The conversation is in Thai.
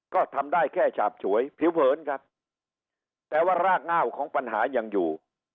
ก็ทำได้แค่ฉาบฉวยผิวเผินครับแต่ว่ารากเง่าของปัญหายังอยู่